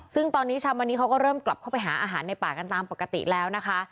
ซึ่งตอนนี้ชาวมันนี้เขาก็เริ่มกลับมาหาอาหารในป่าที่ต้องแล้วนะคะ